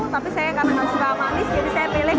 tapi saya karena tidak suka manis jadi saya berhenti